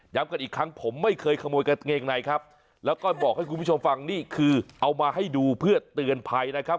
กันอีกครั้งผมไม่เคยขโมยกางเกงในครับแล้วก็บอกให้คุณผู้ชมฟังนี่คือเอามาให้ดูเพื่อเตือนภัยนะครับ